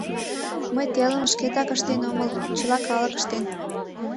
Мый телым шкетак ыштен омыл, чыла калык ыштен.